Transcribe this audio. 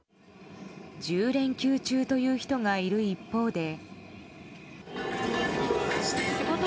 １０連休中という人がいる一方で。